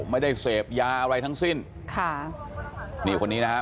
ไม่ได้เสพยาอะไรทั้งสิ้นค่ะนี่คนนี้นะครับ